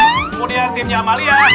kemudian timnya amalia